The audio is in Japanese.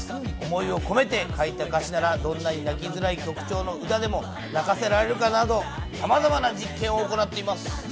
想いを込めて書いた歌詞なら、どんなに泣きづらい曲調の歌でも泣かせられるか？など、さまざまな実験を行っています。